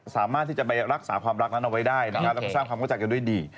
สามารถที่จะไปรักษาความรักนั้นเอาไว้ได้นะครับแล้วก็สร้างความเข้าใจกันด้วยดี